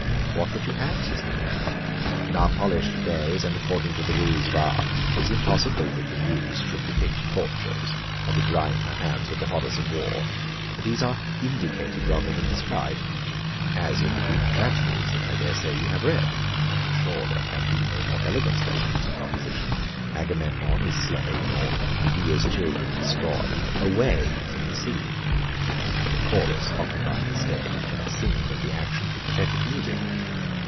"What would you have?" says he. "In our polished days, and according to the rules of art, 'tis impossible that the Muse should depict tortures or begrime her hands with the horrors of war. These are indicated rather than described; as in the Greek tragedies, that, I dare say, you have read (and sure there can be no more elegant specimens of composition), Agamemnon is slain, or Medea's children destroyed, away from the scene; the chorus occupying the stage and singing of the action to pathetic music.